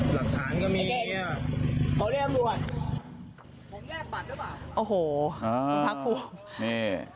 คุณอ้ะกูมหัว